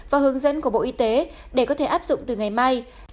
và hướng dẫn của bộ y tế để có thể áp dụng từ ngày mai